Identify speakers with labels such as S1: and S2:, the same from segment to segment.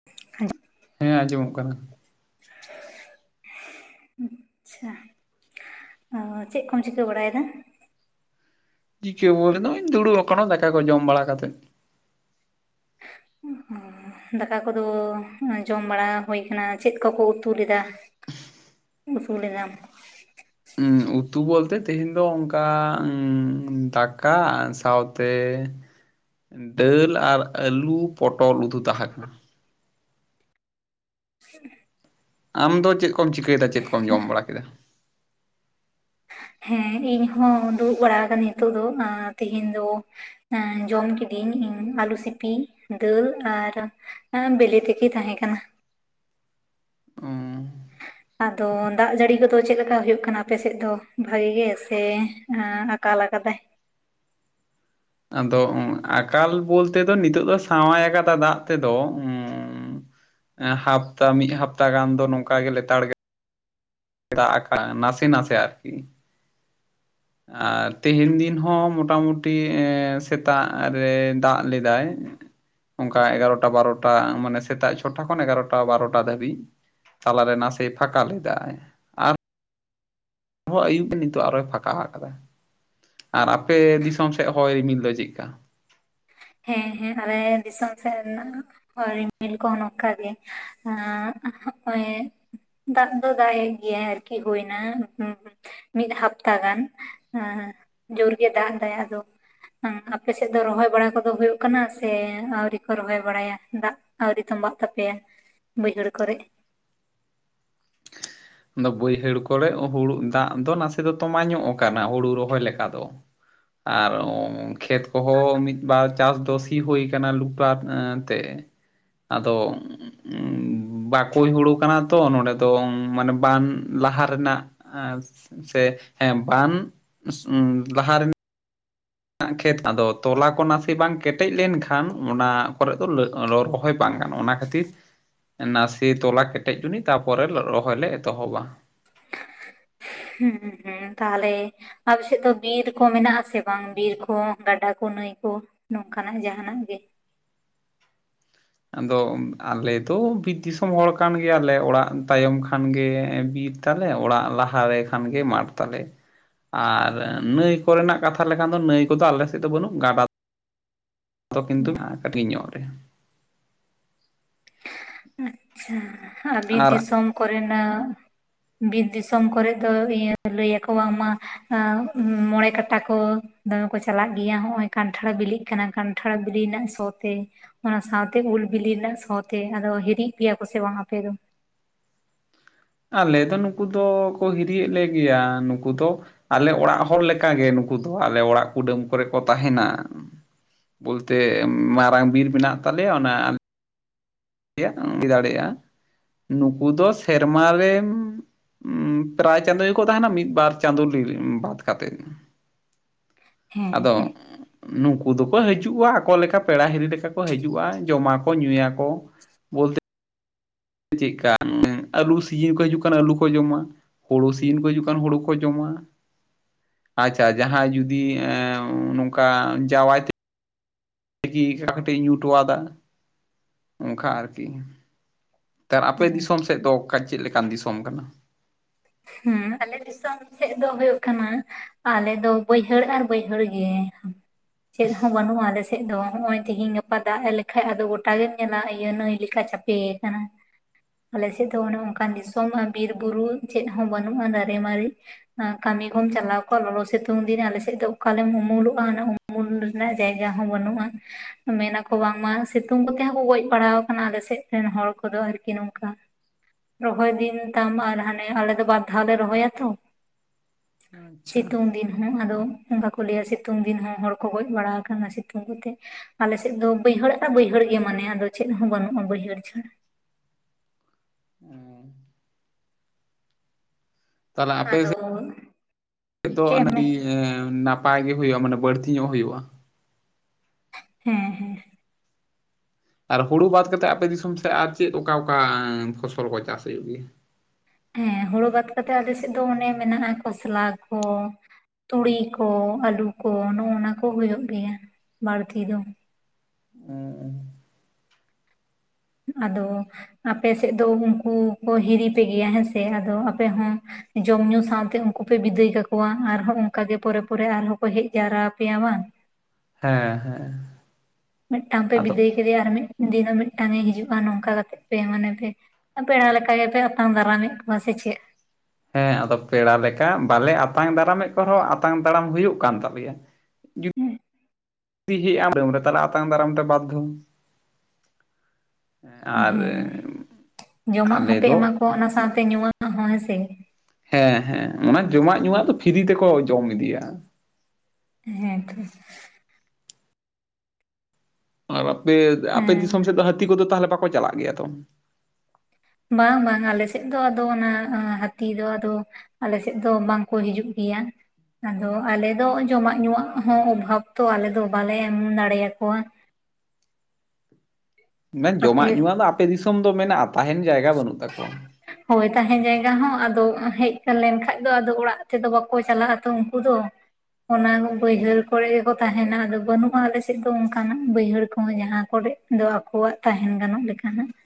S1: [inaudible]
S2: ᱦᱮᱸ ᱟᱸᱡᱚᱢᱚᱜ ᱠᱟᱱᱟ ᱾
S1: [inaudible] ᱟᱪᱪᱷᱟ ᱪᱮᱫ ᱠᱚᱢ ᱪᱤᱠᱟᱹ ᱵᱟᱲᱟᱭᱮᱫᱟ?
S2: ᱪᱤᱠᱟᱹ ᱵᱚᱞᱮ ᱫᱚᱧ ᱫᱩᱲᱩᱵ ᱟᱠᱟᱱᱟ ᱫᱟᱠᱟ ᱠᱚ ᱡᱚᱢ ᱵᱟᱲᱟ ᱠᱟᱛᱮᱫ ᱾
S1: ᱦᱩᱸ ᱦᱩᱸ ᱾ ᱫᱟᱠᱟ ᱠᱚᱫᱚ ᱡᱚᱢ ᱵᱟᱲᱟ ᱦᱩᱭ ᱟᱠᱟᱱᱟ ᱪᱮᱫ ᱠᱚᱠᱚ ᱩᱛᱩ ᱞᱮᱫᱟ? ᱟᱹᱥᱩᱞ ᱞᱮ ᱫᱟᱢ ᱾
S2: ᱩᱛᱩ ᱵᱚᱞᱛᱮ ᱛᱮᱦᱮᱧ ᱫᱚ ᱚᱱᱠᱟ ᱫᱟᱠᱟ ᱥᱟᱶᱛᱮ ᱫᱟᱹᱞ ᱟᱨ ᱟᱹᱞᱩ ᱯᱚᱴᱚᱞ ᱩᱛᱩ ᱛᱟᱦᱮᱸ ᱠᱟᱱᱟ᱾
S1: ᱦᱩᱸ ᱾
S2: ᱟᱢ ᱫᱚ ᱪᱮᱫ ᱠᱚᱢ ᱪᱤᱠᱟᱹᱭᱮᱫᱟ ᱪᱮᱫ ᱠᱚᱢ ᱡᱚᱢ ᱵᱟᱲᱟ ᱠᱮᱫᱟ?
S1: ᱦᱮᱸ ᱤᱧᱦᱚ ᱫᱩᱲᱩᱵ ᱵᱟᱲᱟ ᱟᱠᱟᱱᱤᱧ ᱱᱤᱛᱚᱜ ᱫᱚ ᱛᱤᱦᱤᱧ ᱫᱚ ᱡᱚᱢ ᱠᱤᱫᱟᱹᱧ ᱟᱹᱞᱩ ᱥᱤᱯᱤ ᱫᱟᱹᱞ ᱟᱨ ᱵᱤᱞᱮ ᱛᱤᱠᱤ ᱛᱟᱦᱮᱸ ᱠᱟᱱᱟ᱾ ᱟᱫᱚ ᱫᱟᱜ ᱡᱟᱹᱲᱤ ᱠᱚᱫᱚ ᱪᱮᱫ ᱞᱮᱠᱟ ᱦᱩᱭᱩᱜ ᱠᱟᱱᱟ ᱟᱯᱮᱥᱮᱫ ᱫᱚ ᱵᱷᱟᱜᱤ ᱜᱮ ᱥᱮ ᱟᱠᱟᱞ ᱟᱠᱟᱫᱟᱭ?
S2: ᱟᱫᱚ ᱟᱠᱟᱞ ᱵᱚᱞᱛᱮ ᱫᱚ ᱱᱤᱛᱳᱜ ᱫᱚ ᱥᱟᱶᱟᱭ ᱟᱠᱟᱫᱟ ᱫᱟᱜ ᱛᱮᱫᱚ ᱩᱸ ᱦᱟᱯᱛᱟ ᱢᱤᱫ ᱦᱟᱯᱛᱟ ᱜᱟᱱ ᱫᱚ ᱱᱚᱝᱠᱟ ᱜᱮ ᱞᱮᱛᱟᱲ ᱜᱮ ᱫᱟᱜ ᱟᱠᱟ-ᱟ ᱱᱟᱥᱮ ᱱᱟᱥᱮ ᱟᱨᱠᱤ᱾ ᱟᱨ ᱛᱮᱦᱮᱧ ᱫᱤᱱ ᱦᱚᱸ ᱢᱳᱴᱟᱢᱩᱴᱤ ᱮᱻ ᱥᱮᱛᱟᱜ ᱨᱮ ᱫᱟᱜ ᱞᱮᱫᱟᱭ᱾ ᱚᱱᱠᱟ ᱮᱜᱟᱨᱚᱴᱟ ᱵᱟᱨᱚᱴᱟ ᱢᱟᱱᱮ ᱥᱮᱛᱟᱜ ᱪᱷᱚᱴᱟ ᱠᱷᱚᱱ ᱮᱜᱟᱨᱚᱴᱟ ᱵᱟᱨᱚᱴᱟ ᱫᱷᱟᱹᱵᱤᱡ᱾ ᱛᱟᱞᱟᱨᱮ ᱱᱟᱥᱮᱭ ᱯᱷᱟᱠᱟ ᱞᱮᱫᱟᱭ ᱟᱨ ᱟᱨᱦᱚᱸ ᱟᱹᱭᱩᱵ ᱱᱤᱛᱚᱜ ᱟᱨᱚᱭ ᱯᱷᱟᱸᱠᱟ ᱟᱠᱟᱫᱟ᱾ ᱟᱨ ᱟᱯᱮ ᱫᱤᱥᱚᱢ ᱥᱮᱫ ᱦᱚᱭ ᱨᱤᱢᱤᱞ ᱫᱚ ᱪᱮᱜ ᱠᱟ?
S1: ᱦᱮᱸ ᱦᱮᱸ ᱟᱞᱮ ᱫᱤᱥᱚᱢ ᱥᱮᱫ ᱨᱮᱱᱟᱜ ᱦᱚᱭ ᱨᱤᱢᱤᱞ ᱠᱚ ᱱᱚᱝᱠᱟ ᱜᱮ ᱫᱟᱜ ᱫᱚ ᱫᱟᱜ ᱮᱫ ᱜᱮᱭᱟᱭ ᱟᱨᱠᱤ ᱦᱩᱭᱱᱟ ᱢᱤᱫ ᱦᱟᱯᱛᱟ ᱜᱟᱱ ᱡᱳᱨᱜᱮ ᱫᱟᱜ ᱮᱫᱟᱭ ᱟᱫᱚ ᱟᱯᱮ ᱥᱮᱫ ᱫᱚ ᱨᱚᱦᱚᱭ ᱵᱟᱲᱟ ᱠᱚ ᱦᱩᱭᱩᱜ ᱠᱟᱱᱟ ᱥᱮ ᱟᱣᱨᱤ ᱠᱚ ᱨᱚᱦᱚᱭ ᱵᱟᱲᱟᱭᱟ ᱫᱟᱜ ᱟᱣᱨᱤ ᱛᱚᱸᱵᱟᱜ ᱛᱟᱯᱮᱭᱟ? ᱵᱟᱹᱭᱦᱟᱹᱲ ᱠᱚᱨᱮᱜ᱾
S2: ᱟᱫᱚ ᱵᱟᱹᱭᱦᱟᱹᱲ ᱠᱚᱨᱮᱜ ᱦᱩᱲᱩ ᱫᱟᱜ ᱫᱚ ᱱᱟᱥᱮ ᱫᱚ ᱛᱚᱢᱟ ᱧᱚᱜ ᱠᱟᱱᱟ ᱦᱩᱲᱩ ᱨᱚᱦᱚᱭ ᱞᱮᱠᱟ ᱫᱚ᱾ ᱟᱨ ᱠᱷᱮᱛ ᱠᱚᱦᱚᱸ ᱢᱤᱫᱵᱟᱨ ᱪᱟᱥ ᱫᱚ ᱥᱤ ᱦᱩᱭ ᱠᱟᱱᱟ ᱞᱩᱴᱟᱨ ᱛᱮ᱾ ᱟᱫᱚ ᱵᱟᱠᱚᱭ ᱦᱩᱲᱩ ᱠᱟᱱᱟ ᱛᱚ ᱱᱚᱰᱮ ᱫᱚ ᱢᱟᱱᱮ ᱵᱟᱱ ᱞᱟᱦᱟ ᱨᱮᱱᱟᱜ ᱥᱮ ᱦᱮᱸ ᱵᱟᱱ ᱞᱟᱦᱟ ᱨᱮᱱᱟᱜ ᱠᱷᱮᱛ ᱟᱫᱚ ᱛᱚᱞᱟ ᱠᱚ ᱱᱟᱥᱮ ᱵᱟᱝ ᱠᱮᱴᱮᱡ ᱞᱮᱱᱠᱷᱟᱱ ᱚᱱᱟ ᱠᱚᱨᱮ ᱫᱚ ᱨᱚᱦᱚᱭ ᱵᱟᱝ ᱜᱟᱱᱚᱜ ᱚᱱᱟ ᱠᱷᱟᱹᱛᱤᱨ ᱱᱟᱥᱮ ᱛᱚᱞᱟ ᱠᱮᱴᱮᱡ ᱪᱚᱱᱤᱡ ᱛᱟᱨᱯᱚᱨᱮ ᱨᱚᱦᱚᱭ ᱞᱮ ᱮᱛᱚᱦᱚᱵᱟ᱾
S1: ᱦᱩᱸ ᱦᱩᱸ ᱛᱟᱦᱞᱮ ᱟᱯᱮ ᱥᱮᱫ ᱫᱚ ᱵᱤᱨ ᱠᱚ ᱢᱮᱱᱟᱜ ᱟᱥᱮ ᱵᱟᱝ ᱵᱤᱨ ᱠᱚ ᱜᱟᱰᱟ ᱠᱚ ᱱᱟᱹᱭ ᱠᱚ? ᱱᱚᱝᱠᱟᱱᱟᱜ ᱡᱟᱦᱱᱟᱜ ᱜᱮ᱾
S2: ᱟᱫᱚ ᱟᱞᱮ ᱫᱚ ᱵᱤᱨ ᱫᱤᱥᱚᱢ ᱦᱚᱲ ᱠᱟᱱ ᱜᱮᱭᱟᱞᱮ ᱚᱲᱟᱜ ᱛᱟᱭᱚᱢ ᱠᱷᱟᱱᱜᱮ ᱵᱤᱨ ᱛᱟᱞᱮ ᱚᱲᱟᱜ ᱞᱟᱦᱟᱨᱮ ᱠᱷᱟᱱ ᱜᱮ ᱢᱟᱴᱷ ᱛᱟᱞᱮ᱾ ᱟᱨ ᱱᱟᱹᱭ ᱠᱚᱨᱮᱱᱟᱜ ᱠᱟᱛᱷᱟ ᱞᱮᱠᱷᱟᱱ ᱫᱚ ᱱᱟᱹᱭ ᱠᱚᱫᱚ ᱟᱞ ᱥᱮᱫ ᱫᱚ ᱵᱟᱹᱱᱩᱜ ᱜᱟᱰᱟ᱾ ᱛᱚ ᱠᱤᱱᱛᱩ ᱦᱮᱱᱟᱜ [unintelligible] ᱧᱚᱜ ᱨᱮ᱾
S1: ᱟᱪᱪᱷᱟ ᱟᱵᱤ
S2: ᱟᱨ
S1: ᱫᱤᱥᱚᱢ ᱠᱚᱨᱮᱱᱟᱜ ᱵᱤᱨ ᱫᱤᱥᱚᱢ ᱠᱚᱨᱮ ᱫᱚ ᱤᱭᱟᱹ ᱞᱟᱹᱭ ᱟᱠᱚ ᱵᱟᱝ ᱢᱟ ᱢᱚᱬᱮ ᱠᱟᱴᱟ ᱠᱚ ᱫᱚᱢᱮ ᱠᱚ ᱪᱟᱞᱟᱜ ᱜᱮᱭᱟ ᱦᱚᱜᱼᱚᱭ ᱠᱟᱱᱴᱷᱟᱲ ᱵᱤᱞᱤᱜ ᱠᱟᱱᱟ ᱠᱟᱱᱴᱷᱟᱲ ᱵᱤᱞᱤ ᱨᱮᱱᱟᱜ ᱥᱚ ᱛᱮ᱾ ᱚᱱᱟ ᱥᱟᱶᱛᱮ ᱩᱞ ᱵᱤᱞᱤ ᱨᱮᱱᱟᱜ ᱥᱟᱶᱛᱮ ᱟᱫᱚ ᱦᱤᱨᱤᱜ ᱯᱮᱭᱟ ᱠᱚ ᱥᱮ ᱵᱟᱝ ᱟᱯᱮ ᱫᱚ?
S2: ᱟᱞᱮ ᱫᱚ ᱱᱩᱠᱩ ᱫᱚ ᱠᱚ ᱦᱤᱨᱤᱭᱮᱫ ᱞᱮᱜᱮᱭᱟ ᱱᱩᱠᱩ ᱫᱚ ᱟᱞᱮ ᱚᱲᱟᱜ ᱦᱚᱲ ᱞᱮᱠᱟᱜᱮ ᱱᱩᱠᱩ ᱫᱚ ᱟᱞᱮ ᱚᱲᱟᱜ ᱠᱩᱰᱟᱹᱢ ᱠᱚᱨᱮ ᱠᱚ ᱛᱟᱦᱮᱱᱟ᱾ ᱵᱚᱞᱛᱮ ᱢᱟᱨᱟᱝ ᱵᱤᱨ ᱢᱮᱱᱟᱜ ᱛᱟᱞᱮᱭᱟ ᱚᱱᱟ ᱫᱟᱲᱮᱭᱟᱜᱼᱟ ᱱᱩᱠᱩ ᱫᱚ ᱥᱮᱨᱢᱟ ᱨᱮ ᱯᱨᱟᱭ ᱪᱟᱸᱫᱚ ᱜᱮᱠᱚ ᱛᱟᱦᱮᱱᱟ ᱢᱤᱫ ᱵᱟᱨ ᱪᱟᱸᱫᱳ ᱵᱟᱫ ᱠᱟᱛᱮᱫ᱾
S1: [inaudible] ᱦᱮᱸ
S2: ᱟᱫᱚ
S1: ᱦᱮᱸ
S2: ᱱᱩᱠᱩ ᱫᱚᱠᱚ ᱦᱤᱡᱩᱜᱼᱟ ᱟᱠᱚ ᱞᱮᱠᱟ ᱯᱮᱲᱟ ᱦᱤᱨᱤ ᱞᱮᱠᱟ ᱠᱚ ᱦᱤᱡᱩᱜᱼᱟ ᱡᱚᱢᱟ ᱠᱚ ᱧᱩᱭᱟᱠᱚ᱾ ᱵᱚᱞᱛᱮ ᱪᱮᱫᱠᱟ ᱟᱹᱞᱩ ᱥᱤᱡᱤᱱ ᱠᱚ ᱦᱤᱡᱩᱜ ᱠᱟᱱᱟ ᱟᱹᱞᱩ ᱠᱚ ᱡᱚᱢᱟ᱾ ᱦᱳᱲᱳ ᱥᱤᱡᱤᱱ ᱠᱚ ᱦᱤᱡᱩᱜ ᱠᱷᱟᱱ ᱦᱳᱲᱳ ᱠᱚ ᱡᱚᱢᱟ᱾ ᱟᱪᱪᱷᱟ ᱡᱟᱦᱟᱭ ᱡᱩᱫᱤ ᱮ ᱱᱚᱝᱠᱟ ᱡᱟᱶᱟᱭ ᱛᱮ ᱠᱤ ᱠᱟᱴᱤᱡ ᱧᱩᱸ ᱴᱩᱣᱟᱫᱟ ᱚᱱᱠᱟ ᱟᱨᱠᱤ᱾ ᱛᱚ ᱟᱯᱮ ᱫᱤᱥᱚᱢ ᱥᱮᱫ ᱫᱚ ᱚᱠᱟ ᱪᱮᱫ ᱞᱮᱠᱟᱱ ᱫᱤᱥᱚᱢ ᱠᱟᱱᱟ?
S1: ᱦᱩᱸ ᱟᱞᱮ ᱫᱤᱥᱚᱢ ᱥᱮᱫ ᱫᱚ ᱦᱩᱭᱩᱜ ᱠᱟᱱᱟ ᱟᱞᱮ ᱫᱚ ᱵᱟᱹᱭᱦᱟᱹᱲ ᱟᱨ ᱵᱟᱹᱭᱦᱟᱹᱲ ᱜᱮ᱾ ᱪᱮᱫ ᱦᱚᱸ ᱵᱟᱹᱱᱩᱜᱼᱟ ᱟᱞᱮ ᱥᱮᱫ ᱫᱚ ᱱᱚᱜ-ᱚᱭ ᱛᱤᱦᱤᱧ ᱜᱟᱯᱟ ᱫᱟᱜ ᱞᱮᱠᱷᱟᱡ ᱟᱫᱚ ᱜᱚᱴᱟᱜ ᱜᱮᱢ ᱧᱮᱞᱟ ᱤᱭᱟᱹ ᱱᱟᱹᱭ ᱞᱮᱠᱟ ᱪᱟᱯᱮ ᱯᱮ ᱠᱟᱱᱟ ᱟᱞᱮ ᱥᱮᱫ ᱫᱚ ᱚᱱᱮ ᱚᱱᱠᱟᱱ ᱫᱤᱥᱚᱢ ᱵᱤᱨ ᱵᱩᱨᱩ ᱪᱮᱫ ᱦᱚᱸ ᱵᱟᱹᱱᱩᱜᱼᱟ ᱫᱟᱨᱮ ᱢᱟᱨᱮ᱾ ᱠᱟᱹᱢᱤ ᱠᱚᱢ ᱪᱟᱞᱟᱣ ᱠᱚᱜᱼᱟ ᱞᱚᱞᱚ ᱥᱤᱛᱩᱝ ᱫᱤᱱ ᱟᱞᱮ ᱥᱮᱫ ᱫᱚ ᱚᱠᱟᱨᱮᱢ ᱩᱢᱩᱞᱚᱜᱼᱟ ᱩᱢᱩᱞ ᱨᱮᱱᱟᱜ ᱡᱟᱭᱜᱟ ᱦᱚᱸ ᱵᱟᱹᱱᱩᱜᱼᱟ᱾ ᱢᱮᱱᱟᱠᱚ ᱵᱟᱝᱢᱟ ᱥᱤᱛᱩᱝ ᱠᱚᱛᱮ ᱦᱚᱸᱠᱚ ᱜᱚᱡ ᱵᱟᱲᱟᱣ ᱠᱟᱱᱟ ᱟᱞᱮ ᱥᱮᱫ ᱨᱮᱱ ᱦᱚᱲ ᱠᱚᱫᱚ ᱟᱨᱠᱤ ᱱᱚᱝᱠᱟ᱾ ᱨᱚᱦᱚᱭ ᱫᱤᱱ ᱛᱟᱢ ᱟᱨ ᱟᱞᱮ ᱫᱚ ᱵᱟᱨ ᱫᱷᱟᱣ ᱞᱮ ᱨᱚᱦᱚᱭᱟ ᱛᱷᱚ
S2: ᱟᱪᱪᱷᱟ
S1: ᱥᱤᱛᱩᱝ ᱫᱤᱱ ᱦᱚᱸ ᱟᱫᱚ ᱚᱱᱠᱟ ᱠᱚ ᱞᱟᱹᱭᱟ ᱥᱤᱛᱩᱝ ᱫᱤᱱ ᱦᱚᱸ ᱦᱚᱲ ᱠᱚ ᱜᱚᱡ ᱵᱟᱲᱟ ᱟᱠᱟᱱᱟ ᱥᱤᱛᱩᱝ ᱠᱚᱛᱮ ᱟᱞᱮᱥᱮᱫ ᱫᱚ ᱵᱟᱹᱭᱦᱟᱹᱲ ᱟᱨ ᱵᱟᱹᱭᱦᱟᱹᱲ ᱜᱮ ᱢᱟᱱᱮ ᱟᱫᱚ ᱪᱮᱫ ᱦᱚᱸ ᱵᱟᱱᱩᱜᱼᱟ ᱵᱟᱹᱭᱦᱟᱹᱲ ᱪᱷᱟᱲᱟ
S2: ᱛᱟᱦᱚᱞᱮ ᱟᱯᱮ
S1: ᱟᱫᱚ
S2: ᱫᱚ
S1: ᱪᱮᱫ ᱮᱢ
S2: ᱟᱹᱰᱤ
S1: ᱢᱮᱱ
S2: ᱱᱟᱯᱟᱭ ᱜᱮ ᱦᱩᱭᱩᱜᱼᱟ ᱢᱟᱱᱮ ᱵᱟᱹᱲᱛᱤ ᱧᱚᱜ ᱦᱩᱭᱩᱜᱼᱟ ᱾
S1: ᱦᱮᱸ ᱦᱮᱸ
S2: ᱟᱨ ᱦᱩᱲᱩ ᱵᱟᱫ ᱠᱟᱛᱮᱫ ᱟᱯᱮ ᱫᱤᱥᱚᱢ ᱥᱮᱫ ᱟᱨ ᱪᱮᱫ ᱚᱠᱟ ᱚᱠᱟ ᱯᱷᱚᱥᱚᱞ ᱠᱚ ᱪᱟᱥ ᱦᱩᱭᱩᱜ ᱜᱮᱭᱟ
S1: ᱦᱮᱸ ᱦᱩᱲᱩ ᱵᱟᱫ ᱠᱟᱛᱮᱜ ᱟᱞᱮ ᱥᱮᱫ ᱫᱚ ᱚᱱᱮ ᱢᱮᱱᱟᱜᱼᱟ ᱠᱷᱚᱥᱞᱟ ᱠᱚ ᱛᱩᱲᱤ ᱠᱚ ᱟᱹᱞᱩ ᱠᱚ ᱱᱚᱜᱱᱟ ᱠᱚ ᱦᱩᱭᱩᱜ ᱜᱮᱭᱟ ᱵᱟᱲᱛᱤ ᱫᱚ
S2: [inaudible]
S1: ᱟᱫᱚ ᱟᱯᱮ ᱥᱮᱫ ᱫᱚ ᱩᱱᱠᱩ ᱠᱚ ᱦᱤᱨᱤᱯᱮ ᱜᱮᱭᱟ ᱦᱮᱸᱥᱮ ᱟᱫᱚ ᱟᱯᱮ ᱦᱚᱸ ᱡᱚᱢ ᱧᱩ ᱥᱟᱶᱛᱮ ᱩᱱᱠᱩ ᱯᱮ ᱵᱤᱫᱟᱹᱭ ᱠᱟᱠᱚᱣᱟ ᱟᱨᱦᱚᱸ ᱚᱱᱠᱟᱜ ᱜᱮ ᱯᱚᱨᱮ ᱯᱚᱨᱮ ᱟᱨᱦᱚᱸ ᱠᱚ ᱦᱮᱡ ᱡᱟᱣᱨᱟᱣᱟ ᱯᱮᱭᱟ ᱵᱟᱝ
S2: ᱦᱮᱸ ᱦᱮᱸ
S1: ᱢᱤᱫᱴᱟᱝ ᱯᱮ
S2: ᱟᱫᱚ
S1: ᱵᱤᱫᱟᱹᱭ ᱠᱮᱫᱮᱭᱟ ᱟᱨ ᱢᱤᱫ ᱫᱤᱱ ᱦᱚᱸ ᱢᱤᱫᱴᱟᱝ ᱮ ᱦᱤᱡᱩᱜᱼᱟ ᱱᱚᱝᱠᱟ ᱠᱟᱛᱮᱜ ᱯᱮ ᱢᱟᱱᱮ ᱯᱮ ᱯᱮᱲᱟ ᱞᱮᱠᱟ ᱜᱮᱯᱮ ᱟᱛᱟᱝ ᱫᱟᱨᱟᱢ ᱢᱮᱫ ᱠᱚᱣᱟ ᱥᱮ ᱪᱮᱫ
S2: ᱦᱮᱸ ᱟᱫᱚ ᱯᱮᱲᱟ ᱞᱮᱠᱟ ᱵᱟᱞᱮ ᱟᱛᱟᱝ ᱫᱟᱨᱟᱢᱮᱫ ᱠᱚ ᱨᱮᱦᱚᱸ ᱟᱛᱟᱝ ᱫᱟᱨᱟᱢ ᱦᱩᱭᱩᱜ ᱠᱟᱱ ᱛᱟᱞᱮᱭᱟ [unintelligible] ᱟᱛᱟᱝ ᱫᱟᱨᱟᱢ ᱛᱮ ᱵᱟᱫᱫᱷᱚ ᱟᱨ
S1: ᱦᱮᱸ ᱡᱚᱢᱟᱜ
S2: ᱟᱞᱮ
S1: ᱦᱚᱸᱯᱮ ᱮᱢᱟ
S2: ᱫᱚ
S1: ᱠᱚᱣᱟ ᱚᱱᱟ ᱥᱟᱶᱛᱮ ᱧᱩᱣᱟᱜ ᱦᱚᱸ ᱦᱮᱸᱥᱮ
S2: ᱦᱮᱸ ᱦᱮᱸ ᱚᱱᱟ ᱡᱚᱢᱟᱜ ᱧᱩᱣᱟᱜ ᱫᱚ ᱯᱷᱤᱨᱤ ᱛᱮᱠᱚ ᱡᱚᱢ ᱤᱫᱤᱭᱟ ᱾
S1: ᱦᱮᱸᱛᱚ
S2: ᱟᱨ ᱟᱯᱮ ᱟᱯᱮ
S1: ᱦᱮᱸ
S2: ᱫᱤᱥᱚᱢ ᱥᱮᱫ ᱫᱚ ᱦᱟᱹᱛᱤ ᱠᱚᱫᱚ ᱛᱟᱦᱚᱞᱮ ᱵᱟᱠᱚ ᱪᱟᱞᱟᱜ ᱜᱮᱭᱟ ᱛᱚ
S1: ᱵᱟᱝ ᱵᱟᱝ ᱟᱞᱮᱥᱮᱫ ᱫᱚ ᱟᱫᱚ ᱚᱱᱟ ᱦᱟᱛᱤ ᱫᱚ ᱟᱫᱚ ᱟᱞᱮ ᱥᱮᱫ ᱫᱚ ᱵᱟᱝᱠᱚ ᱦᱤᱡᱩᱜ ᱜᱮᱭᱟ ᱟᱫᱚ ᱟᱞᱮ ᱫᱚ ᱡᱚᱢᱟᱜ ᱧᱩᱣᱟᱜ ᱦᱚᱸ ᱚᱵᱷᱟᱵᱽ ᱛᱚ ᱟᱞᱮ ᱫᱚ ᱵᱟᱞᱮ ᱮᱢ ᱫᱟᱲᱮᱭᱟ ᱠᱚᱣᱟ
S2: ᱢᱮᱱ ᱡᱚᱢᱟᱜ
S1: ᱟᱯᱮ
S2: ᱧᱩᱣᱟᱜ ᱫᱚ ᱟᱯᱮ ᱫᱤᱥᱚᱢ ᱫᱚ ᱢᱮᱱᱟᱜᱼᱟ ᱛᱟᱦᱮᱱ ᱡᱟᱭᱜᱟ ᱵᱟᱹᱱᱩᱜ ᱛᱟᱠᱚᱣᱟ
S1: ᱦᱳᱭ ᱛᱟᱦᱮᱸ ᱡᱟᱭᱜᱟ ᱦᱚᱸ ᱟᱫᱚ ᱦᱮᱡ ᱞᱮᱱᱠᱷᱟᱱ ᱫᱚ ᱚᱲᱟᱜ ᱛᱮᱫᱚ ᱵᱟᱠᱚ ᱪᱟᱞᱟᱜ-ᱟ ᱛᱚ ᱩᱱᱠᱩ ᱫᱚ ᱚᱱᱟ ᱵᱟᱹᱭᱦᱟᱹᱲ ᱠᱚᱨᱮ ᱜᱮᱠᱚ ᱛᱟᱦᱮᱱᱟ ᱟᱫᱚ ᱵᱟᱹᱱᱩᱜᱼᱟ ᱟᱞᱮᱥᱮᱫ ᱫᱚ ᱚᱱᱠᱟᱱᱟᱜ ᱵᱟᱹᱭᱦᱟᱹᱲ ᱠᱚᱦᱚᱸ ᱡᱟᱦᱟᱸ ᱠᱚᱨᱮ ᱫᱚ ᱟᱠᱚᱣᱟᱜ ᱛᱟᱦᱮᱱ ᱜᱟᱱᱚᱜ ᱞᱮᱠᱟᱱᱟᱜ ᱾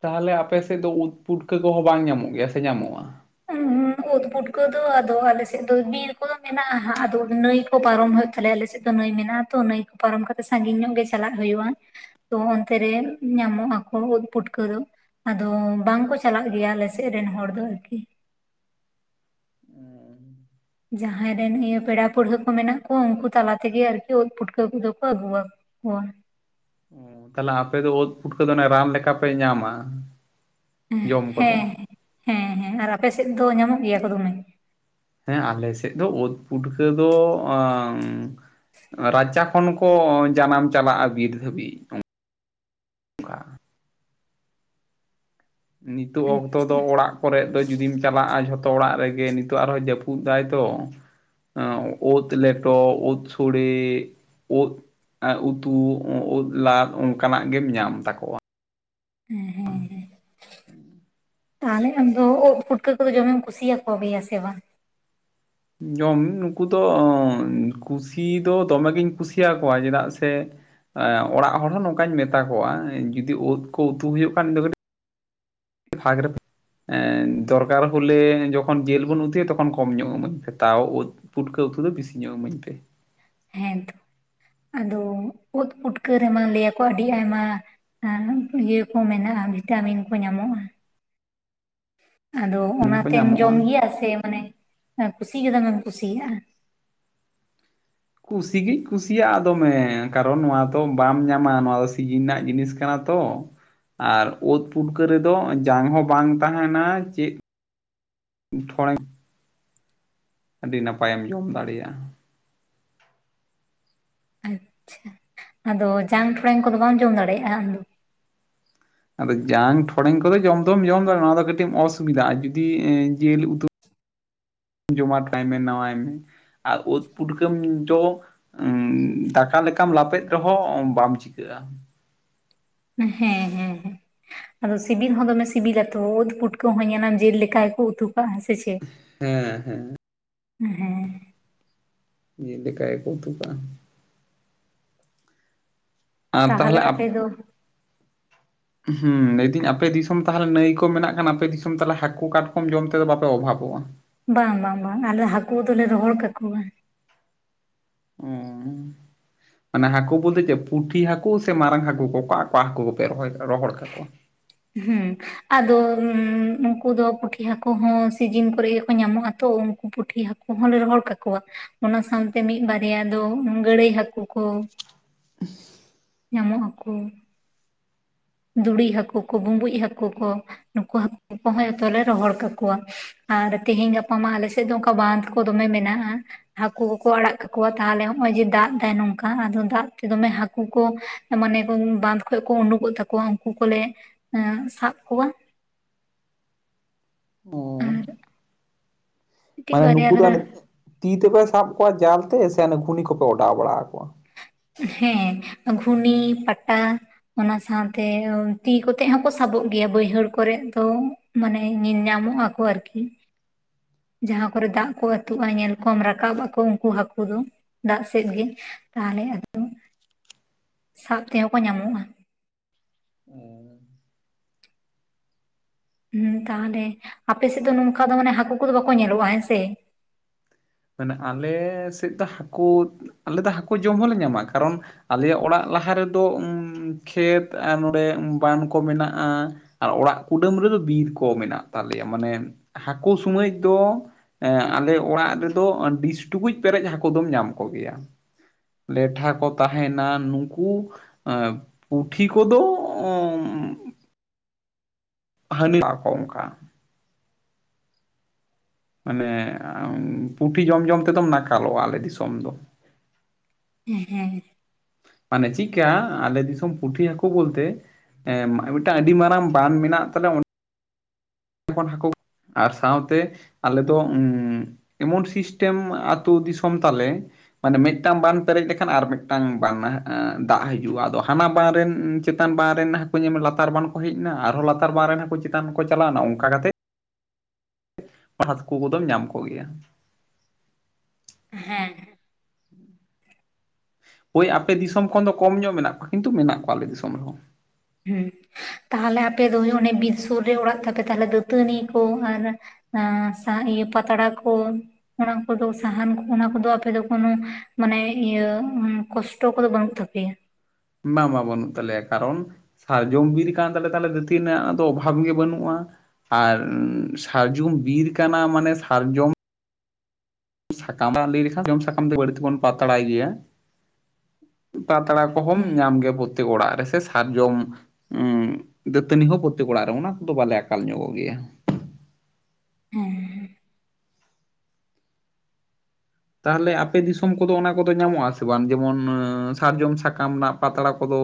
S2: ᱛᱟᱦᱟᱞᱮ ᱟᱯᱮ ᱥᱮᱫ ᱫᱚ ᱳᱫ ᱯᱩᱴᱠᱟᱹ ᱠᱚᱦᱚᱸ ᱵᱟᱝ ᱧᱟᱢᱚᱜ ᱜᱮᱭᱟ ᱥᱮ ᱧᱟᱢᱚᱜᱼᱟ
S1: [unintelligible] ᱳᱫ ᱯᱩᱴᱠᱟᱹ ᱫᱚ ᱟᱫᱚ ᱟᱞᱮᱥᱮᱫ ᱫᱚ ᱵᱤᱨ ᱠᱚᱫᱚ ᱢᱮᱱᱟᱜᱼᱟ ᱦᱟᱸᱜ ᱟᱫᱚ ᱱᱟᱹᱭ ᱠᱚ ᱯᱟᱨᱚᱢ ᱦᱳᱭᱳᱜ ᱛᱟᱞᱮᱭᱟ ᱟᱞᱮᱥᱮᱫ ᱫᱚ ᱱᱟᱹᱭ ᱢᱮᱱᱟᱜᱼᱟ ᱛᱚ ᱱᱟᱹᱭ ᱠᱚ ᱯᱟᱨᱚᱢ ᱠᱟᱛᱮᱜ ᱥᱟᱺᱜᱤᱧ ᱧᱚᱜ ᱜᱮ ᱪᱟᱞᱟᱜ ᱦᱳᱭᱳᱜᱼᱟ ᱛᱚ ᱚᱱᱛᱮ ᱨᱮ ᱧᱟᱢᱚᱜ ᱟᱠᱚ ᱳᱫ ᱯᱩᱴᱠᱟᱹ ᱫᱚ ᱟᱫᱚ ᱵᱟᱝᱠᱚ ᱪᱟᱞᱟᱜ ᱜᱮᱭᱟ ᱟᱞᱮᱥᱮᱫ ᱨᱮᱱ ᱦᱚᱲ ᱫᱚ ᱟᱹᱨᱠᱤ ᱡᱟᱦᱟᱸᱭ ᱨᱮᱱ ᱤᱭᱟᱹ ᱯᱮᱲᱟ ᱯᱟᱹᱲᱦᱟᱹ ᱠᱚ ᱢᱮᱱᱟᱜ ᱠᱚᱣᱟ ᱩᱝᱠᱩ ᱛᱟᱞᱟ ᱛᱮᱜᱮ ᱟᱨᱠᱤ ᱳᱫ ᱯᱩᱴᱠᱟᱹ ᱠᱚᱫᱚ ᱠᱚ ᱟᱹᱜᱩᱣᱟ ᱠᱚᱣᱟ
S2: ᱛᱟᱦᱞᱮ ᱟᱯᱮ ᱫᱚ ᱳᱫ ᱯᱩᱴᱠᱟᱹ ᱫᱚ ᱟᱱᱮ ᱨᱟᱱ ᱞᱮᱠᱟᱯᱮ ᱧᱟᱢᱟ ᱡᱚᱢ ᱠᱚᱫᱚ
S1: ᱦᱮᱸ ᱦᱮᱸ ᱦᱮᱸ ᱟᱨ ᱟᱯᱮᱥᱮᱫ ᱫᱚ ᱧᱟᱢᱚᱜ ᱜᱮᱭᱟ ᱠᱚ ᱫᱚᱢᱮ
S2: ᱦᱮᱸ ᱟᱞᱮ ᱥᱮᱫ ᱫᱚ ᱳᱫ ᱯᱩᱴᱠᱟᱹ ᱫᱚ ᱨᱟᱪᱟ ᱠᱷᱚᱱ ᱠᱚ ᱡᱟᱱᱟᱢ ᱪᱟᱞᱟᱜᱼᱟ ᱵᱤᱨ ᱫᱷᱟᱹᱵᱤᱡ ᱚᱱᱠᱟ ᱱᱤᱛᱚᱜ ᱚᱠᱛᱚ
S1: ᱟᱪᱪᱷᱟ
S2: ᱫᱚ ᱚᱲᱟᱜ ᱠᱚᱨᱮᱫ ᱫᱚ ᱡᱩᱫᱤᱢ ᱪᱟᱞᱟᱜᱼᱟ ᱡᱷᱚᱛᱚ ᱚᱲᱟᱜ ᱨᱮᱜᱮ ᱱᱤᱛᱚᱜ ᱟᱨᱦᱚᱸ ᱡᱟᱹᱯᱩᱫ ᱫᱟᱭ ᱛᱚ ᱳᱫ ᱞᱮᱴᱚ ᱳᱫ ᱥᱳᱲᱮ ᱳᱫ ᱩᱛᱩ ᱳᱫ ᱞᱟᱫ ᱚᱱᱠᱟᱱᱟᱜ ᱜᱮᱢ ᱧᱟᱢ ᱛᱟᱠᱚᱣᱟ
S1: ᱦᱮᱸ ᱦᱮᱸ ᱦᱮᱸ᱾
S2: ᱦᱩᱸ ᱾
S1: ᱛᱟᱦᱚᱞᱮ ᱟᱢᱫᱚ ᱳᱫ ᱯᱩᱴᱠᱟᱹ ᱠᱚᱫᱚ ᱡᱚᱢᱮᱢ ᱠᱩᱥᱤᱭᱟᱠᱚ ᱜᱮᱭᱟ ᱥᱮ ᱵᱟᱝ?
S2: ᱡᱚᱢ ᱱᱩᱠᱩ ᱫᱚ ᱠᱩᱥᱤ ᱫᱚ ᱫᱚᱢᱮ ᱜᱤᱧ ᱠᱩᱥᱤᱭᱟᱠᱚᱣᱟ ᱪᱮᱫᱟᱜ ᱥᱮ ᱚᱲᱟᱜ ᱦᱚᱲ ᱦᱚᱸ ᱱᱚᱝᱠᱟᱧ ᱢᱮᱛᱟ ᱠᱚᱣᱟ ᱡᱩᱫᱤ ᱳᱫ ᱠᱚ ᱩᱛᱩ ᱦᱳᱭᱳᱜ ᱠᱷᱟᱱ ᱤᱧᱫᱚ ᱠᱟᱹᱴᱤᱡ [inaudible] ᱵᱷᱟᱜᱽ ᱨᱮ ᱫᱚᱨᱠᱟᱨ ᱦᱳᱞᱮ ᱡᱚᱠᱷᱚᱱ ᱡᱮᱞ ᱵᱚᱱ ᱩᱛᱩᱭᱟ ᱛᱚᱠᱷᱚᱱ ᱠᱚᱢ ᱧᱚᱜ ᱮᱢᱟᱹᱧ ᱯᱮ ᱛᱟᱣ ᱳᱫ ᱯᱩᱴᱠᱟᱹ ᱩᱛᱩ ᱫᱚ ᱵᱤᱥᱤ ᱧᱚᱜ ᱤᱢᱟᱹᱧ ᱯᱮ᱾
S1: ᱦᱮᱸᱛᱚ ᱟᱫᱚ ᱩᱫ ᱯᱩᱴᱠᱟᱹ ᱨᱮᱢᱟ ᱞᱟᱹᱭᱟᱠᱚ ᱟᱹᱰᱤ ᱟᱭᱢᱟ ᱟᱨ ᱤᱭᱟᱹ ᱠᱚ ᱢᱮᱱᱟᱜᱼᱟ ᱵᱷᱤᱴᱟᱢᱤᱱ ᱠᱚ ᱧᱟᱢᱚᱜᱼᱟ᱾ ᱟᱫᱚ
S2: ᱢᱮᱱ ᱠᱚ
S1: ᱚᱱᱟᱛᱮᱢ
S2: ᱧᱟᱢᱚᱜᱼᱟ
S1: ᱡᱚᱢ ᱜᱮᱭᱟ ᱥᱮ ᱢᱟᱱᱮ ᱠᱩᱥᱤ ᱜᱮ ᱫᱚᱢᱮᱢ ᱠᱩᱥᱤᱭᱟᱜᱼᱟ?
S2: ᱠᱩᱥᱤᱜᱤᱧ ᱠᱩᱥᱤᱭᱟᱜᱼᱟ ᱫᱚᱢᱮ ᱠᱟᱨᱚᱱ ᱱᱚᱣᱟ ᱛᱚ ᱵᱟᱢ ᱧᱟᱢᱟ ᱱᱚᱣᱟ ᱫᱚ ᱥᱤᱡᱤᱱ ᱨᱮᱱᱟᱜ ᱡᱤᱱᱤᱥ ᱠᱟᱱᱟ᱾ ᱛᱚ ᱟᱨ ᱳᱫ ᱯᱩᱴᱠᱟᱹ ᱨᱮᱫᱚ ᱡᱟᱝ ᱦᱚᱸ ᱵᱟᱝ ᱛᱟᱦᱮᱱᱟ ᱪᱮᱜ ᱴᱷᱚᱲᱮᱝ, ᱟᱹᱰᱤ ᱱᱟᱯᱟᱭᱮᱢ ᱡᱚᱢ ᱫᱟᱲᱮᱭᱟᱜᱼᱟ᱾
S1: ᱟᱪᱪᱷᱟ ᱟᱫᱚ ᱡᱟᱝ ᱴᱷᱚᱲᱮᱝ ᱠᱚᱫᱚ ᱵᱟᱢ ᱡᱚᱢ ᱫᱟᱲᱮᱭᱟᱜᱼᱟ ᱟᱢᱫᱚ?
S2: ᱟᱫᱚ ᱡᱟᱝ ᱴᱷᱚᱲᱮᱝ ᱠᱚᱫᱚ ᱡᱚᱢ ᱫᱚᱢ ᱡᱚᱢ ᱫᱟᱲᱮᱭᱟᱜᱼᱟ [inaudible] ᱱᱚᱣᱟ ᱫᱚ ᱠᱟᱹᱴᱤᱡ ᱮᱢ ᱚᱥᱩᱵᱤᱫᱷᱟᱜᱼᱟ ᱡᱩᱫᱤ ᱮᱸ ᱡᱤᱞ ᱩᱛᱩ ᱡᱚᱢᱟ ᱠᱟᱭ ᱢᱮ ᱱᱟᱣᱟᱭ ᱢᱮ ᱟᱨ ᱳᱫ ᱯᱩᱴᱠᱟᱹᱢ ᱡᱚ ᱚᱻ ᱫᱟᱠᱟ ᱞᱮᱠᱟᱢ ᱞᱟᱯᱮᱫ ᱨᱮᱦᱚᱸ ᱵᱟᱢ ᱪᱤᱠᱟᱹᱜᱼᱟ᱾
S1: ᱦᱮᱸ ᱦᱮᱸ ᱦᱮᱸ᱾ ᱟᱫᱚ ᱥᱤᱵᱤᱞ ᱦᱚᱸ ᱫᱚᱢᱮ ᱥᱤᱵᱤᱞᱟᱛᱚ ᱳᱫ ᱯᱩᱴᱠᱟᱹ ᱦᱚᱸ ᱧᱮᱞᱟᱢ ᱡᱮᱞ ᱞᱮᱠᱟ ᱜᱮᱠᱚ ᱩᱛᱩ ᱠᱟᱜᱼᱟ [inaudible] ᱥᱮ ᱪᱮᱫ
S2: ᱦᱮᱸ ᱦᱮᱸ
S1: ᱦᱮᱸ᱾
S2: ᱡᱮᱞ ᱞᱮᱠᱟ ᱜᱮᱠᱚ ᱩᱛᱩ ᱠᱟᱜᱼᱟ᱾ ᱟᱨ
S1: ᱛᱟᱦᱟᱞᱮ
S2: ᱛᱟᱦᱚᱞᱮ
S1: ᱟᱯᱮᱫᱚ
S2: ᱦᱩᱸ ᱞᱟᱹᱭᱫᱟᱹᱧ ᱟᱯᱮ ᱫᱤᱥᱚᱢ ᱛᱟᱦᱚᱞᱮ ᱱᱟᱹᱭ ᱠᱚ ᱢᱮᱱᱟᱜ ᱠᱷᱟᱱ ᱟᱯᱮ ᱫᱤᱥᱚᱢ ᱛᱟᱦᱚᱞᱮ ᱦᱟᱠᱳ, ᱠᱟᱴᱠᱚᱢ ᱡᱚᱢ ᱛᱮᱫᱚ ᱵᱟᱯᱮ ᱚᱵᱷᱟᱵᱚᱜᱼᱟ?
S1: ᱵᱟᱝ ᱵᱟᱝ ᱵᱟᱝ ᱟᱞᱮ ᱦᱟᱠᱳ ᱫᱚᱞᱮ ᱨᱚᱦᱚᱲ ᱠᱟᱠᱚᱣᱟ᱾
S2: ᱚᱻ ᱢᱟᱱᱮ ᱦᱟᱠᱳ ᱵᱳᱞᱛᱮ ᱪᱮᱫ ᱯᱩᱴᱷᱤ ᱦᱟᱠᱳ ᱥᱮ ᱢᱟᱨᱟᱝ ᱦᱟᱠᱳ ᱠᱚ ᱚᱠᱟ ᱚᱠᱟ ᱦᱟᱠᱳ ᱠᱚᱯᱮ ᱨᱚᱦᱚᱭ, ᱨᱚᱦᱚᱲ ᱠᱟᱠᱚᱣᱟ?
S1: ᱦᱩᱸ᱾ ᱟᱫᱚ ᱩᱝᱠᱩ ᱫᱚ ᱯᱩᱴᱷᱤ ᱦᱟᱠᱳ ᱦᱚᱸ ᱥᱤᱡᱤᱱ ᱠᱚᱨᱮᱜ ᱜᱮᱠᱚ ᱧᱟᱢᱚᱜᱼᱟ ᱛᱚ ᱩᱱᱠᱩ ᱯᱩᱴᱷᱤ ᱦᱟᱠᱳ ᱠᱚᱦᱚᱸ ᱞᱮ ᱨᱚᱦᱚᱲ ᱠᱟᱠᱚᱣᱟ ᱚᱱᱟ ᱥᱟᱶᱛᱮ ᱢᱤᱫ ᱵᱟᱨᱭᱟ ᱫᱚ ᱜᱟᱹᱲᱟᱹᱭ ᱦᱟᱠᱳ ᱠᱚ᱾
S2: ᱩᱸᱦ᱾
S1: ᱧᱟᱢᱚᱜ ᱟᱠᱚ᱾ ᱫᱩᱲᱤ ᱦᱟᱠᱳ ᱠᱚ ᱵᱩᱸᱵᱩᱡ ᱦᱟᱠᱳ ᱠᱚ ᱱᱩᱠᱩ ᱦᱟᱠᱳ ᱠᱚᱦᱚᱸ ᱡᱚᱛᱚ ᱞᱮ ᱨᱚᱦᱚᱲ ᱠᱟᱠᱚᱣᱟ᱾ ᱟᱨ ᱛᱮᱦᱮᱧ ᱜᱟᱯᱟ ᱢᱟ ᱟᱞᱮ ᱥᱮᱫ ᱫᱚ ᱚᱱᱠᱟ ᱵᱟᱸᱫᱷ ᱠᱚ ᱫᱚᱢᱮ ᱢᱮᱱᱟᱜᱼᱟ᱾ ᱦᱟᱹᱠᱩ ᱠᱚᱠᱚ ᱟᱲᱟᱜ ᱠᱟᱠᱚᱣᱟ ᱛᱟᱦᱟᱞᱮ ᱱᱚᱭ ᱡᱮ ᱫᱟᱜ ᱫᱟᱭ ᱱᱚᱝᱠᱟ ᱟᱫᱚ ᱫᱟᱜ ᱛᱮ ᱫᱚᱢᱮ ᱦᱟᱹᱠᱩ ᱠᱚ ᱢᱟᱱᱮ ᱵᱟᱸᱫᱽ ᱠᱷᱚᱡ ᱠᱚ ᱩᱰᱩᱠᱚᱜ ᱛᱟᱠᱚᱣᱟ ᱩᱱᱠᱩ ᱠᱚᱞᱮ ᱥᱟᱵ ᱠᱚᱣᱟ᱾
S2: ᱚ
S1: ᱟᱨ ᱢᱤᱫᱴᱤᱡ
S2: ᱢᱟᱱᱮ
S1: ᱵᱟᱨᱭᱟ
S2: ᱱᱩᱠᱩ ᱫᱚ
S1: ᱫᱷᱟᱨᱟ
S2: ᱟᱞᱮ, ᱛᱤ ᱛᱮᱯᱮ ᱥᱟᱵ ᱠᱚᱣᱟ ᱡᱟᱞ ᱛᱮ ᱜᱷᱩᱱᱤ ᱠᱚᱯᱮ ᱚᱰᱟᱣ ᱵᱟᱲᱟ ᱟᱠᱚᱣᱟ?
S1: ᱦᱮᱸ ᱜᱷᱩᱱᱤ, ᱯᱟᱴᱟ ᱚᱱᱟ ᱥᱟᱶᱛᱮ ᱛᱤ ᱠᱚᱛᱮ ᱦᱚᱸᱠᱚ ᱥᱟᱵᱚᱜ ᱜᱮᱭᱟ ᱵᱟᱹᱭᱦᱟᱹᱲ ᱠᱚᱨᱮ ᱛᱚ᱾ ᱢᱟᱱᱮ ᱧᱮᱞ ᱧᱟᱢᱚᱜ ᱟᱠᱚ ᱟᱨᱠᱤ᱾ ᱡᱟᱦᱟᱸ ᱠᱚᱨᱮ ᱫᱟᱜ ᱠᱚ ᱟᱹᱛᱩᱜᱼᱟ ᱧᱮᱞ ᱠᱚᱢ ᱨᱟᱠᱟᱵ ᱟᱠᱚ ᱩᱱᱠᱩ ᱦᱟᱹᱠᱩ ᱫᱚ ᱫᱟᱜ ᱥᱮᱫ ᱜᱮ᱾ ᱛᱟᱦᱚᱞᱮ ᱟᱫᱚ ᱥᱟᱵ ᱛᱮᱦᱚᱸ ᱠᱚ ᱧᱟᱢᱚᱜᱼᱟ᱾
S2: ᱚᱻ
S1: ᱦᱩᱸ ᱛᱟᱦᱚᱞᱮ ᱟᱯᱮ ᱥᱮᱫ ᱫᱚ ᱱᱚᱝᱠᱟ ᱫᱚ ᱢᱟᱱᱮ ᱦᱟᱹᱠᱩ ᱠᱚᱫᱚ ᱵᱟᱠᱚ ᱧᱮᱞᱚᱜᱼᱟ ᱦᱮᱸ ᱥᱮ?
S2: ᱢᱟᱱᱮ ᱟᱞᱮ ᱥᱮᱫ ᱫᱚ ᱦᱟᱹᱠᱩ ᱟᱞᱮ ᱫᱚ ᱦᱟᱹᱠᱩ ᱡᱚᱢ ᱦᱚᱸᱞᱮ ᱧᱟᱢᱟ ᱠᱟᱨᱚᱱ ᱟᱞᱮᱭᱟᱜ ᱚᱲᱟᱜ ᱞᱟᱦᱟ ᱨᱮᱫᱚ ᱩᱸ ᱠᱷᱮᱛ ᱟᱨ ᱱᱚᱰᱮ ᱵᱟᱱ ᱠᱚ ᱢᱮᱱᱟᱜᱼᱟ᱾ ᱟᱨ ᱚᱲᱟᱜ ᱠᱩᱰᱟᱹᱢ ᱨᱮᱫᱚ ᱵᱤᱨ ᱠᱚ ᱢᱮᱱᱟᱜ ᱛᱟᱞᱮᱭᱟ ᱢᱟᱱᱮ ᱦᱟᱹᱠᱩ ᱥᱩᱢᱟᱹᱡ ᱫᱚ ᱮᱸ ᱟᱞᱮ ᱚᱲᱟᱜ ᱨᱮ ᱫᱚ ᱰᱤᱥ ᱴᱩᱠᱩᱡ ᱯᱮᱨᱮᱡ ᱦᱟᱹᱠ ᱫᱚᱢ ᱧᱟᱢ ᱠᱚᱜᱮᱭᱟ᱾ ᱞᱮᱴᱷᱟ ᱠᱚ ᱛᱟᱦᱮᱱᱟ ᱱᱩᱠᱩ ᱮᱸ ᱯᱩᱴᱷᱤ ᱠᱚᱫᱚ ᱚᱸᱻ ᱦᱟᱹᱱᱤ [inaudible] ᱠᱚ ᱚᱱᱠᱟ᱾ ᱢᱟᱱᱮ ᱩᱸ ᱯᱩᱴᱷᱤ ᱡᱚᱢ ᱡᱚᱢ ᱛᱮᱫᱚᱢ ᱱᱟᱠᱟᱞᱚᱜᱼᱟ ᱟᱞᱮ ᱫᱤᱥᱚᱢ ᱫᱚ᱾
S1: ᱦᱮᱸ ᱦᱮᱸ᱾
S2: ᱢᱟᱱᱮ ᱪᱤᱫᱠᱟ, ᱟᱞᱮ ᱫᱤᱥᱚᱢ ᱯᱩᱴᱷᱤ ᱦᱟᱹᱠᱩ ᱵᱚᱞᱛᱮ ᱮᱸ ᱢᱮ ᱢᱤᱫᱴᱟᱝ ᱟᱹᱰᱤ ᱢᱟᱨᱟᱝ ᱵᱟᱱ ᱢᱮᱱᱟᱜ ᱛᱟᱞᱮᱭᱟ ᱚ [inaudible] ᱟᱨ ᱥᱟᱶᱛᱮ ᱟᱞᱮ ᱫᱚ ᱩᱸ ᱮᱢᱚᱱ ᱥᱤᱥᱴᱮᱢ ᱟᱹᱛᱩ ᱫᱤᱥᱚᱢ ᱛᱟᱞᱮ ᱢᱟᱱᱮ ᱢᱤᱫᱴᱟᱝ ᱵᱟᱱ ᱯᱮᱨᱮᱡ ᱞᱮᱠᱷᱟᱱ ᱟᱨ ᱢᱤᱫᱴᱟᱝ ᱵᱟᱱ ᱫᱟᱜ ᱦᱤᱡᱩᱜᱼᱟ ᱟᱫᱚ ᱦᱟᱱᱟ ᱵᱟᱱ ᱨᱮᱱ ᱩᱸ ᱪᱮᱛᱟᱱ ᱵᱟ ᱨᱮᱱ ᱦᱟᱹᱠᱩ ᱧᱮᱞᱢᱮ ᱞᱟᱛᱟᱨ ᱵᱟᱱ ᱠᱚ ᱦᱮᱡ ᱮᱱᱟ ᱟᱨᱦᱚᱸ ᱞᱟᱛᱟᱨ ᱵᱟᱨ ᱨᱮᱱ ᱦᱟᱹᱠᱩ ᱪᱮᱛᱟᱱ ᱠᱚ ᱪᱟᱞᱟᱣ ᱮᱱᱟ ᱚᱱᱠᱟ ᱠᱟᱛᱮ ᱦᱟᱛᱠᱩ ᱠᱚᱫᱚᱢ ᱧᱟᱢ ᱠᱚᱜᱮᱭᱟ᱾
S1: ᱦᱮᱸ ᱦᱮᱸ᱾
S2: ᱦᱳᱭ ᱟᱯᱮ ᱫᱤᱥᱚᱢ ᱠᱷᱚᱱ ᱫᱚ ᱠᱚᱢ ᱧᱚᱜ ᱢᱮᱱᱟᱜ ᱠᱚᱣᱟ ᱠᱤᱱᱛᱩ ᱢᱮᱱᱟᱜ ᱠᱚᱣᱟ ᱟᱞᱮ ᱫᱤᱥᱚᱢ ᱨᱮᱦᱚᱸ᱾
S1: ᱦᱩᱸ ᱛᱟᱦᱚᱞᱮ ᱟᱯᱮ ᱫᱚ ᱦᱩᱭᱩᱜ ᱚᱱᱮ ᱵᱤᱨ ᱥᱩᱨ ᱨᱮ ᱚᱲᱟᱜ ᱛᱟᱯᱮ ᱛᱟᱦᱞᱮ ᱫᱟᱹᱛᱟᱹᱱᱤ ᱠᱚ ᱟᱨ ᱟᱸ ᱥᱟ ᱤᱭᱟᱹ ᱯᱟᱛᱲᱟ ᱠᱚ ᱚᱱᱟ ᱠᱚᱫᱚ ᱥᱟᱦᱟᱱ ᱠᱚ ᱚᱱᱟ ᱠᱚᱫᱚ ᱟᱯᱮ ᱫᱚ ᱠᱳᱱᱚ ᱢᱟᱱᱮ ᱤᱭᱟᱹ ᱩᱸ ᱠᱚᱥᱴᱚ ᱠᱚᱫᱚ ᱵᱟᱹᱱᱩᱜ ᱛᱟᱯᱮᱭᱟ?
S2: ᱵᱟᱝ ᱵᱟ ᱵᱟᱹᱱᱩᱜ ᱛᱟᱞᱮᱭᱟ ᱠᱟᱨᱚᱱ ᱥᱟᱨᱡᱚᱢ ᱵᱤᱨ ᱠᱟᱱ ᱛᱟᱞᱮᱭᱟ ᱛᱟᱞᱦᱮ ᱫᱟᱹᱛᱟᱹᱱᱤ ᱨᱮᱱᱟᱜ ᱫᱚ ᱚᱵᱷᱟᱵᱽ ᱜᱮ ᱵᱟᱹᱱᱩᱜᱼᱟ᱾ ᱟᱨ ᱥᱟᱨᱡᱚᱢ ᱵᱤᱨ ᱠᱟᱱᱟ ᱢᱟᱱᱮ ᱥᱟᱨᱡᱚᱢ [inaudible] ᱞᱟᱹᱭ ᱞᱮᱠᱷᱟᱱ [inaudible] ᱵᱟᱹᱲᱛᱤ ᱵᱚᱱ ᱯᱟᱛᱲᱟᱭ ᱜᱮᱭᱟ, ᱯᱟᱛᱲᱟ ᱚᱦᱚᱢ
S1: ᱦᱮᱸ
S2: ᱧᱟᱢ ᱠᱮᱭᱟ ᱯᱨᱚᱛᱛᱮᱠ ᱚᱲᱟᱜ ᱨᱮ ᱥᱮ ᱥᱟᱨᱡᱚᱢ ᱩᱸ ᱫᱟᱹᱛᱟᱹᱱᱤ ᱦᱚᱸ ᱯᱨᱚᱛᱛᱮᱠ ᱚᱲᱟᱜ ᱨᱮ ᱚᱱᱟ ᱠᱚᱫᱚ ᱟᱠᱟᱞ ᱧᱚᱜᱚᱜ ᱜᱮᱭᱟ᱾
S1: ᱦᱮᱸ [inaudible]
S2: ᱛᱟᱦᱚᱞᱮ ᱟᱯᱮ ᱫᱤᱥᱚᱢ ᱠᱚᱫᱚ ᱚᱱᱟ ᱠᱚᱫᱚ ᱧᱟᱢᱚᱜ-ᱟ ᱥᱮ ᱵᱟᱝ ᱡᱮᱢᱚᱱ ᱮᱸ ᱥᱟᱨᱡᱚᱢ ᱥᱟᱠᱟᱢ ᱱᱟᱜ ᱯᱟᱛᱲᱟ ᱠᱚᱫᱚ?